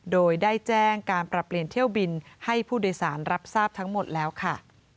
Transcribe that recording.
โดยได้แจ้งการปรับเปลี่ยนเที่ยวบินให้ผู้โดยสารรับทราบทั้งหมดแล้วค่ะ